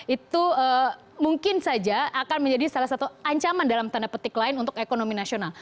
itu mungkin saja akan menjadi salah satu ancaman dalam tanda petik lain untuk ekonomi nasional